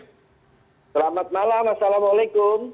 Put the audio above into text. selamat malam assalamualaikum